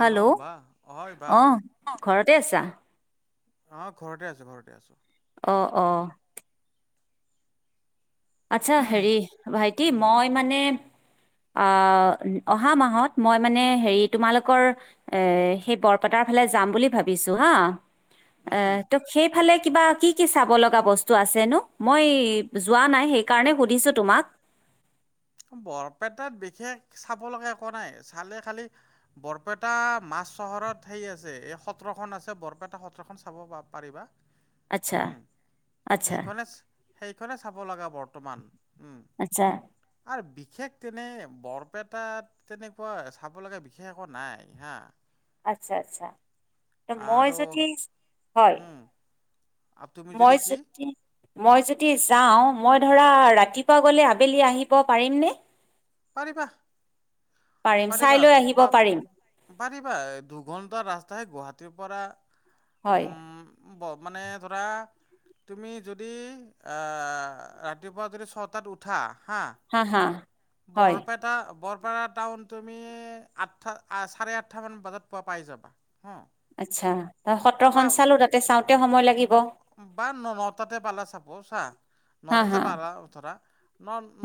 Hello! বা হয় বা অ', ঘৰতে আছা? অ', ঘৰতে আছোঁ, ঘৰতে আছোঁ। অ', অ'। আচ্ছা, হেৰি ভাইটি, উম মই মানে অ', অহা মাহত মই মানে হেৰি তোমালোকৰ এ, সেই বৰপেটাৰ ফালে যাম বুলি ভাবিছোঁ হা, এ, উম ত' সেইফালে কিবা কি, কি চাব লগা বস্তু আছেনো? মই যোৱা নাই। সেইকাৰণে সুধিছোঁ তোমাক। বৰপেটাত বিশেষ চাব লগা একোৱা নাই, চালে খালি বৰপেটা মা চহৰত সেই আছে, এই সত্ৰখন আছে বৰপেটা সত্ৰখন চাব পা-পাৰিবা। আচ্ছা। আচ্ছা সেইখনে, সেইখনে চাব লগা বৰ্তমান উম। আচ্ছা আৰু বিশেষ তেনে বৰপেটাত তেনেকুৱা চাব লগা বিশেষ একো নাই হা আচ্ছা, আচ্ছা ত' মই আৰু যদি হয় উম আৰু তুমি মই কি যদি, মই যদি যাওঁ মই ধৰা ৰাতিপুৱা গ'লে আবেলি আহিব পাৰিম নে? পাৰিবা, চাই পাৰিবা, লৈ আহিব পাৰিম [unintelligible] পাৰিবা দুঘণ্টাৰ ৰাস্তাহে গুৱাহাটীৰ পৰা হয়। উম ব, মানে ধৰা তুমি যদি আ, ৰাতিপুৱা যদি ছটাত উঠা হা, হা হয় বৰপেটা বৰপেটা টাউন তুমি, আঠটা আ-চাৰে আঠটামান বজাত পোৱা-পাই যাবা হম। আচ্ছা, ত' সত্ৰখন চালোঁ তাতে চাওঁতে সময় লাগিব বা-বা ন-নটাতে পালা চাব চা হা নটাতে হা পালা ধৰা,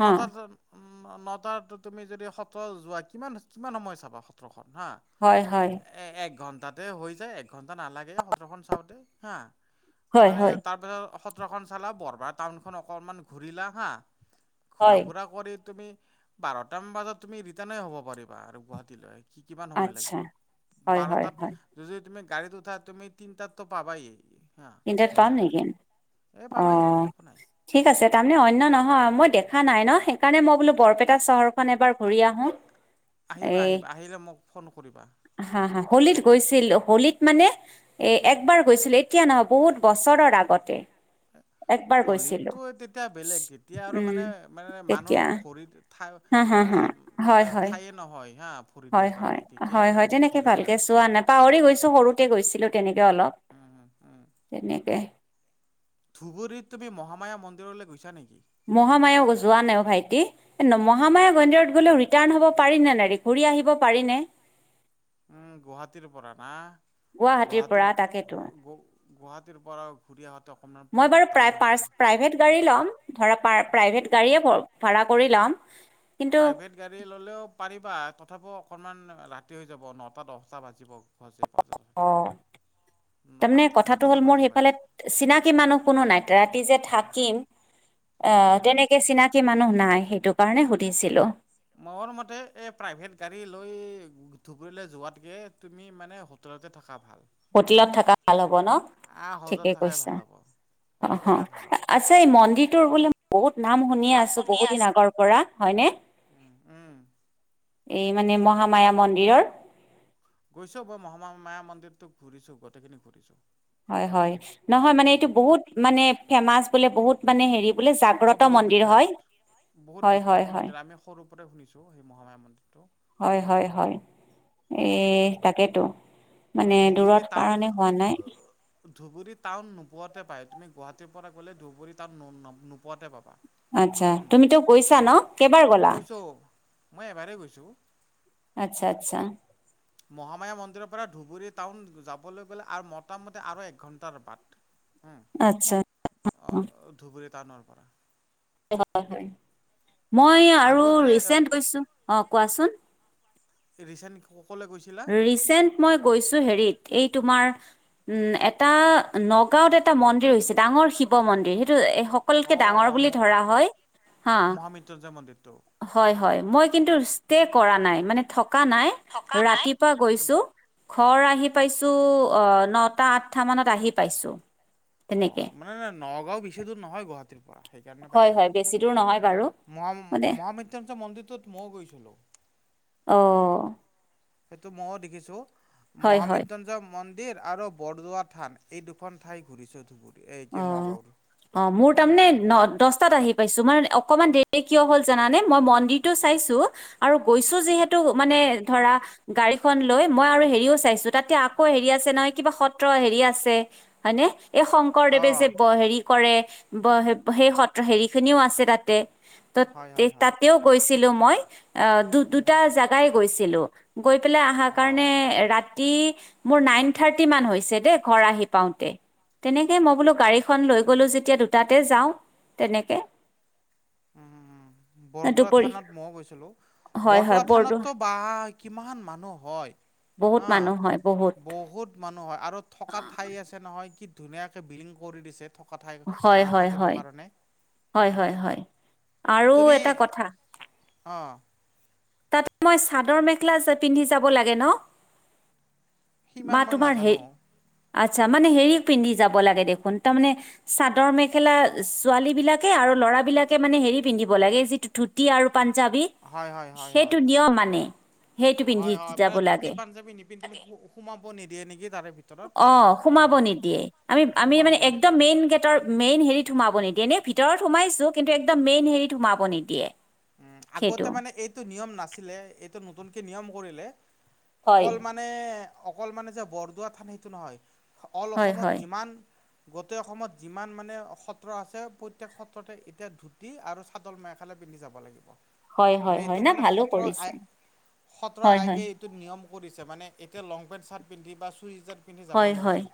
হা উ, নটাত তুমি যদি সত্ৰ যোৱা, কিমান-কিমান সময় চাবা সতৰখন? হা, হয় হয় এ-এক ঘন্টাতে হৈ যায়, এক ঘন্টা নালাগে সত্ৰখন চাওঁতে হা। হয় মানে হয় তাৰপিছত সত্ৰখন চালা, [unintelligible] টাউনখন অকনমান ঘূৰিলা হা ঘুৰা হয় ফুৰা কৰি তুমি বাৰটা মান বজাত, তুমি ৰিটাৰ্ণ এ হব পাৰিবা আৰু গুৱাহাটীলৈ। কিমান সময় আচ্ছা লাগিব, হয় হয় বাৰটাত হয় যদি তুমি গাড়ীতো [unintelligible] তুমি তিনটাততো পাবাই। হা তিনটাত পাম ধুনীয়াকৈ নেকি? এই পাবাই অ', একো নাই। ঠিক আছে তাৰমানে অন্য নহয় মই দে দেখা নাই ন', সেইকাৰণে মই বোলো বৰপেটা চহৰ খন এবাৰ ঘূৰি আহো এ, আহিবা আহিবা আহিলে মোক ফোন কৰিবা হা হা। হলীত গৈছিল, হলীত মানে এ-একবাৰ গৈছিল এতিয়া নহব বহুত বছৰৰ আগতে। একবাৰ গৈছিলোঁ হলীততো তেতিয়া বেলেগ, এতিয়া আৰু মানে মানে মানুহ তেতিয়া ভৰিত থাই হা হা মানে হা হয় মানে হয় ঠায়ে নহয় হা। ভৰি হয় দিয়াৰ হয়, কাৰণে তেতিয়া হয় আৰু হয়, বহুত তেনেকে ভিৰ হৈ ভালকে থাকে চোৱা নাই পাহৰি গৈছো, সৰুতে গৈছিলো তেনেকে অলপ উম উম উম তেনেকে ভিতৰলে গৈছা নেকি? মহামায়া যোৱা নাই অ', ভাইটি, মহামায়া [unintelligible] গলে ৰিটাৰ্ণ হ'ব পাৰি নে নাই [unintelligible] আহিব পাৰি নে? উম, গুৱাহাটীৰ পৰা না? গুৱাহাটীৰ পৰা তাকেতো। গুৱাহাটীৰ পৰাও ঘূৰি আহোত মই বাৰু প্ৰাই-পাৰ্চ-প্ৰাইভেট গাড়ী লম ধৰা পাৰ প্ৰাইভেট গাড়ীয়ে ভ-ভাড়া কৰি লম। কিন্তু প্ৰাইভেট গাড়ী ললেও পাৰিব। বা তথাপিও অকণমান ৰাতি হৈ যাব নটা দহটা বাজিব। সজে পাজ থ থাকিব অ'। তাৰমানে কথাটো হ'ল মোৰ সেইফালে চিনাকি মানুহ কোনো নাই ৰাতি যে থাকিম। উম, আহ হুম। তেনেকে চিনাকি মানুহ নাই সেইটো কাৰণে সুধিছিলো। মোৰ মতে প্ৰাইভেট গাড়ী লৈ ধুবুৰীলৈ যোৱতকে তুমি মানে হোতেলতে থাকা। হোটেলত থকা ভাল হ'ব ন আহ হ্ৰদত ঠিকেই থাকাই কৈছা। ভাল হ'ব। অ হ্ৰদত থাকাই ভাল হ'ব। আচ্ছা এই মন্দিৰটোৰ বোলে বহুত নাম শুনি আছো বহু দিন আগৰ পৰা হয়নে। উম, উম, এই মানে মহামায়া মন্দিৰৰ। গৈছো মই মহামায়া মন্দিৰতো ঘূৰিছো গোটেইখিনি ঘূৰিছো। হয় হয় নহয় মানে এইটো বহুত মানে ফেমাচ বোলে বহুত মানে হেৰি বোলে অ জাগ্ৰত বহুত মন্দিৰ বিখ্যাত হয় বহুত হয় হয় বিখ্যাত হয় মন্দিৰ আমি সৰুৰ পৰা শুনিছো সেই মহামায়া মন্দিৰটো। হয় হয় হয়। এ উম। তাকেতো মানে ধুবুৰী দূৰত টাউন কাৰণে হোৱা নাই। ধুবুৰী টাউন নোপোৱাতে পাই তুমি গুৱাহাটীৰ পৰা গ'লে ধুবুৰী টাউন নোপোৱাতে পাবা। আচ্ছা উম, তুমিতো গৈছা ন। কেইবাৰ গলা? গৈছোঁ মই এবাৰেই গৈছোঁ। আচ্ছা আচ্ছা। মহামায়া মন্দিৰৰ পৰা ধুবুৰী টাউন যাবলৈ গলে মোটামটি আৰু এক ঘণ্টাৰ বাত। আচ্ছা উম ধুবুৰী টাউনৰ পৰা। হয় হয়। মই আৰু আগতে ৰিচেন্ট গৈছো অ কোৱাচোন। ৰিচেণ্ট ক'লৈ গৈছিলা ৰিচেণ্ট মই গৈছো হেৰিত এই তোমাৰ উম এটা নগাঁওত এটা মন্দিৰ হৈছে ডাঙৰ শিৱ মন্দিৰ সেইটো সকলোতকে অঁ ডাঙৰ বুলি ধৰা হয়। হা মহামৃত্যুঞ্জয় মন্দিৰটো হয় হয়। মই কিন্তু ষ্টে কৰা নাই মান থকা নাই ৰাতিপুৱা গৈছো। ঘৰ আহি পাইছোঁ নটা আঠটা মানত আহি পাইছোঁ। অ মানে নগাঁও বেছি দূৰ নহয় গুৱাহাটী হয় হয় বেছি দূৰ নহয় বাৰু ম- মানে মহা মহামৃত্যুঞ্জয় মন্দিৰটোত মইও গৈছিলোঁ। আহ। সেইটো মইও দেখিছো হয় মহামৃত্যুঞ্জয় মন ডেৰ আৰু বৰদোৱা থান এই দুখন ঠাই ঘূৰিছোঁ ধুবুৰী এই অ কি নগাঁওৰ। অ মোৰ উম, তাৰমানে ন দহটাত আহি পাইছো মানে অকমান দেৰি কিয় হ'ল জানানে মই মন্দিৰটো চাইছো আৰু গৈছো যিহেতু মানে ধৰা গাড়ী খন লৈ মই আৰু হেৰিও চাইছো তাতে আকৌ হেৰি আছে নহয় কিবা সত্ৰ হেৰি আছে। হয়নে এই শংকৰদেৱে অ', যে ব হেৰি কৰে সেই সত্ৰ হেৰি খিনিও আছে তাতে। ত হয়, হয়, হয়, তাতেও গৈছিলো মই। অ দু উম, দুটা জোগাই গৈছিলো গৈ পেলাই অহাৰ কাৰণে অ', ৰা মোৰ নাইন থাৰ্টি মান হৈছে দেই ঘৰ আহি পাওঁতে তেনে এই মই বোলো গাড়ীখন লৈ গ'লো যেতিয়া দুটাতে যাওঁ তেনেকে। উ বৰদোৱা দুপৰী থানত মই গৈছিলো হয় হয় বৰদোৱা থানতটো বাঃ কিমান মানুহ হয়। বহুত হা মানুহ হয় বহুত বহুত মানুহ হয় আৰু থকা ঠাই আছে নহয় কি ধুনীয়াকে বিলিং কৰি দিছে। ঠাই হয় মানুহ হয় থাকিবৰ কাৰণে হয় হয় হয়। আৰু তুমি এটা কথা অ', তাতে মই চাদৰ মেখেলা পিন্ধি যাব লাগে ন। বা সিমান মই তোমাৰ হে নাজানো। আচ্ছা, মানে হেৰি পিন্ধি যাব লাগে দেখোন তাৰমানে চাদৰ মেখেলা ছোৱালী বিলাকে আৰু ল'ৰাবিলাকে মানে হেৰি পিন্ধিব লাগে যিটো ধুতি আৰু পাঞ্জাৱী, হয়, হয়, হয়, সেইটো হয়। নিয়ম মানে। সেইটো পিন্ধি হয়, হয়, যাব মানে ধুতি লাগে পাঞ্জাবী নিপিন্ধ সোমাব নিদিয়ে নেকি তাৰে ভিতৰত? মাব নিদিয়ে আম-আমি মানে সোমাব একদম নিদিয়ে মেইন গেটৰ মেইন হেৰিৰ সোমাব নিদিয়ে নে ভিতৰত সোমাইছো কিন্তু একদম মেইন হেৰিত সোমাব নিদিয়ে। উম, সেইটো আগতে মানে এইটো নিয়ম নাছিলে এইটো নতুনকে নিয়ম কৰিলে। হয় অকল মানে অকল মানে যে বৰদোৱা থান সেইটো নহয়। অ'ল হয় অসমত হয় যিমান গোটেই অসমত যিমান মানে সত্ৰ আছে প্ৰত্যেক সত্ৰতে এতিয়া ধুতি আৰু চাদৰ মেখালা পিন্ধি যাব। ব লাগিব। হয় মানে হয় হয় এইটো না মানে ভালো সত্ৰৰ আ কৰিছে সত্ৰ হয় হয় আগে এইটো নিয়ম কৰিছে মানে এতিয়া লং পেণ্ট চাৰ্ট পিন্ধি বা চুৰিদাৰ পিন্ধি যাব হয়, হয়, নোৱাৰি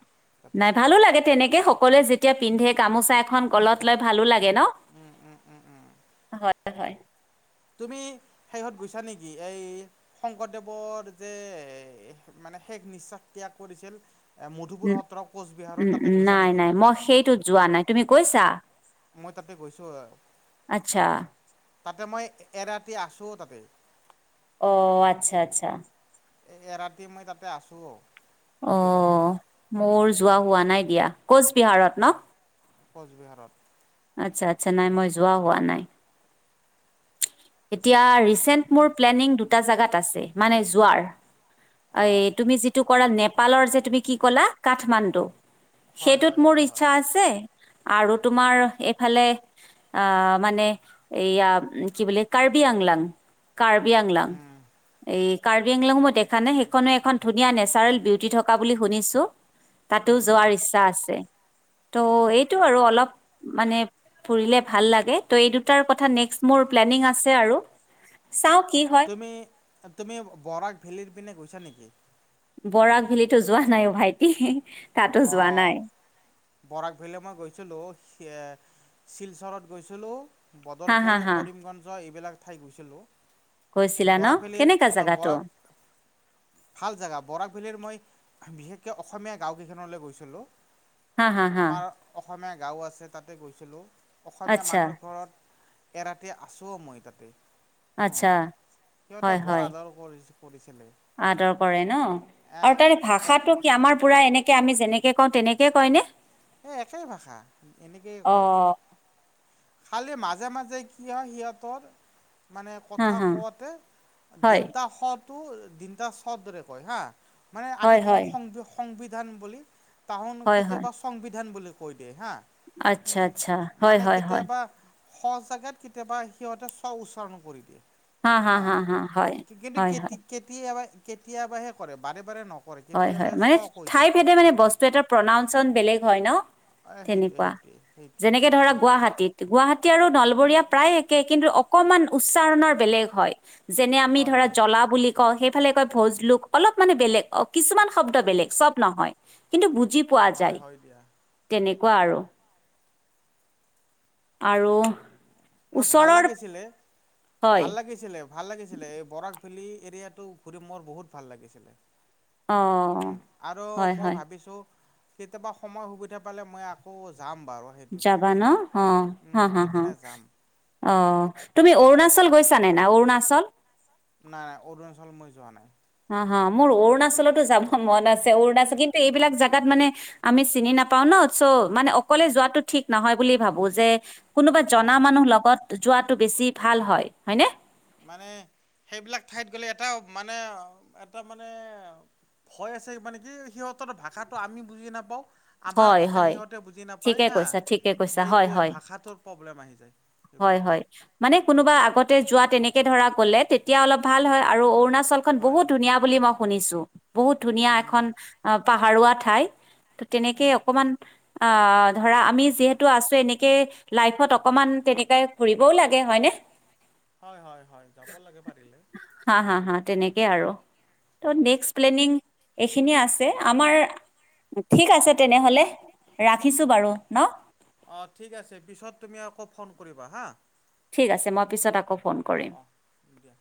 তাতে নাই ভালো লাগে তেনেকে সকলোৱে যেতিয়া পিন্ধে গামোচা এখন গলত লৈ ভালো লাগে ন'। উম, উম, উম, উম। হয়, হয়। তুমি শেহত গৈছা নেকি এই শংকৰদেৱৰ যে ম মানে শেষ নিশ্বাস ত্যাগ কৰিছিল। মধুপুৰ উম, সত্ৰ কোচবিহাৰত উম, তাতে গৈছা নাই, নেকি? নাই মই সেইটোত যোৱা নাই, তুমি গৈছা? মই তাতে গৈছোঁ আ আচ্ছা তাতে, মই এৰাতি আছোঁ তাতে। অ', আচ্ছা, আচ্ছা। এ-এৰাতি মই তাতে আছোঁ। সেইখন অ', সত্ৰত মোৰ যোৱা হোৱা নাই দিয়া, কোচবিহাৰত ন? কোচবিহাৰত। আচ্ছা, আচ্ছা নাই মই যোৱা হোৱা নাই। এতিয়া ৰিচেন্ট মোৰ প্লেনিং দুটা জাগাত আছে, মানে যোৱাৰ এই অঁ। তুমি যিটো কৰা নেপালৰ যে, তুমি কি ক'লা কাঠমাণ্ডু। হয় সেইটোত হয় মোৰ হয় হয়। ইচ্ছা আছে। আৰু তোমাৰ এইফালে আ, মানে এইয়া কি বুলি কাৰ্বি আংলাং, কাৰ্বি আংলাং উম এই কাৰ্বি আংলংয়ো মই দেখা নাই, সেইখনো এখন ধুনীয়া নেচাৰেল বিউটি থকা বুলি শুনিছোঁ। তাতো উম যোৱাৰ ইচ্ছা আছে, ত' এইটো আৰু অলপ মানে ফুৰিলে ভাল লাগে, ত' এই দুটাৰ কথা নেক্স মোৰ প্লেনিং আছে আৰু। চাওঁ কি হয় তুমি, তুমি বৰাক ভেলিৰ পিনে গৈছা নেকি? বৰাক ভেলিটো যোৱা নাই ভাইটি, তাতো যোৱা অঁ নাই। বৰাক ভেলীলৈ মই গৈছিলোঁ, সেই শিলচৰত গৈছিলোঁ। হা হা বদৰপুৰ, হা কৰিমগঞ্জ এইবিলাক ঠাই গৈছিলোঁ। গৈছিলা বৰাক ন' ভেলীৰ কেনেকা জেগাটো? বৰাক ভাল জেগা, বৰাক ভেলীৰ মই বিশেষকে অসমীয়া গাঁওকিখনলৈ গৈছিলোঁ। হা, হা, হা আমাৰ অসমীয়া গাঁও আছে তাতে গৈছিলোঁ, অসমীয়া আচ্ছা মানুহৰ ঘৰত এৰাতি আছো মই তাতে, অহ, আচ্ছা সিহঁতে হয় বৰ হয় আদৰ কৰি-কৰিছে। আদৰ কৰে ন আৰু তাৰ ভাষাটো কি আমাৰ পুৰা এনেকে আমি যেনেকে কওঁ তেনেকে কয় নে? এ একেই ভাষা, এনেকেই অ কয়। খালি মাজে মাজে কি হয় সিহঁতৰ মানে হা কথা হা কোৱাতে হয় দিনতা স টো দিনতা চ দৰে কয় হা। মানে আমি হয় কওঁ হয় [unintelligible] সংবিধান বুলি তাহন হয় হয় কেতিয়াবা সংবিধান বুলি কৈ দিয়ে হা। আচ্ছা আচ্ছা, হয় হয় হয়। সজাগাত কেতিয়াবা সিহঁতে স্ব-উচ্চাৰণ কৰি দিয়ে। হা হা অ' হা হা হয় কিন্তু হয় হয় কেতিয়াব কেতিয়াবাহে কৰে বাৰে বাৰে নকৰে। হয় হয়, কেতিয়াবাহে চ মানে কৈ ঠাই দিয়ে ভেদে মানে বস্তু এটাৰ প্ৰনাউনচন বেলেগ হয় ন। এ সেইটোৱে তেনেকুৱা সেইটোৱে সেইটোৱে যেনেকে ধৰা সেইটোৱে গুৱাহাটীত, গুৱাহাটী আৰু নল বৰীয়া প্ৰায় একে কিন্তু অকমান উচ্চাৰণৰ বেলেগ হয়। যেনে আমি হয় ধৰা হয় জ্বলা বুলি কওঁ, সেইফালে কয় ভোজলোক অলপ মানে বেলেগ। কিছুমান শব্দ বেলেগ, চব নহয় কিন্তু বুজি পোৱা হয় যায় হয় দিয়া তেনে। কুৱা আৰু। আৰু ন ভাল ওচৰৰ লাগিছিলে হয় ভাল লাগিছিলে ভাল লাগিছিলে এই বৰাক ভেলি এৰিয়াটো ঘুৰি মোৰ বহুত ভাল লাগিছিলে অ উম আৰু হয় মই হয় ভাবিছোঁ কেতিয়াবা সময় সুবিধা পালে মই আকৌ যাম বাৰু সেইটো যাবা ন পিনে অ উম হা হা সেই হা পিনে যাম অ তুমি অৰুণাচল গৈছানে নাই অৰুণাচল নাই নাই অৰুণাচল মই যোৱা নাই হ মোৰ অৰুণাচলতো যাব মন আছে অৰুণাচল কিন্তু এইবিলাক জাগাত মানে আমি চিনি নাপাও ন চ মানে অকলে যোৱাটো ঠিক নহয় বুলি ভাবো যে কোনোবা জনা হয় মানুহ লগত যোৱাটো বেছি ভাল হয় হয়নে মানে সেইবিলাক ঠাইত গলে এটা মানে এটা মানে ভয় আছে মানে কি সিহঁতৰ ভাষাটো আমি বুজি নাপাওঁ আমাৰ হয় ভাষা হয় সিহঁতে বুজি নাপায় ঠিকে হা কৈছা ঠিকে কৈছা হয় সেইটোৱে হয় ভাষাটোৰ প্ৰব্লেম আহি যায় হয় সেইবিলাক হয় ঠাইত মানে কোনোবা আগতে যোৱা তেনেক কে ধৰা গলে তেতিয়া অলপ ভাল হয় আৰু অৰুণাচলখন হয় বহুত হয়। ধুনীয়া বুলি মই শুনিছো বহুত ধুনীয়া উম এখন উম আহ পাহাৰোৱা ঠাই ত তেনেকেই উম অকমান অ ধৰা আমি যিহেতু আছো এনেকে লাইফত অকমান তেনেকে ফুৰিবও লাগে হয়নে হয় হয় হয় যাব লাগে পাৰিলে হা হা হা তেনেকে আৰু নেক্সট প্লেনিং এইখিনি আছে আমাৰ ঠিক আছে তেনেহ'লে ৰাখিছোঁ বাৰু ন অ ঠিক আছে পিছত তুমি আকৌ ফোন কৰিবা হা ঠিক আছে মই পিছত আকৌ ফোন অঁ কৰিম অঁ দিয়া।